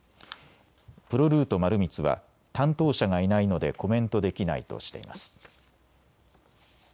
プロルート丸光は担当者がいないのでコメントできないとしています。